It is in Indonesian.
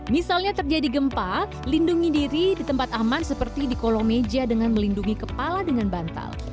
misalnya terjadi gempa lindungi diri di tempat aman seperti di kolong meja dengan melindungi kepala dengan bantal